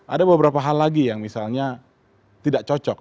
ada beberapa hal lagi yang misalnya tidak cocok